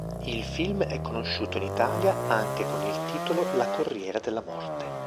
Il film è conosciuto in Italia anche con il titolo La corriera della morte.